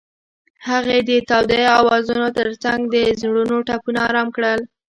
هغې د تاوده اوازونو ترڅنګ د زړونو ټپونه آرام کړل.